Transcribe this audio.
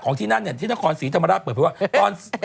ของที่นั่นเนี่ยที่นครศรีธรรมดาเปิดเพราะว่า